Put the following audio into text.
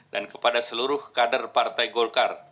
kepada seluruh kader partai golkar